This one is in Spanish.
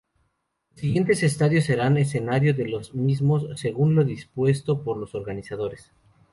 Los siguientes estadios serán escenario de los mismos, según lo dispuesto por los organizadores.